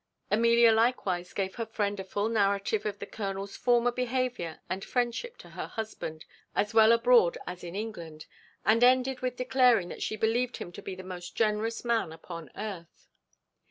Amelia likewise gave her friend a full narrative of the colonel's former behaviour and friendship to her husband, as well abroad as in England; and ended with declaring that she believed him to be the most generous man upon earth.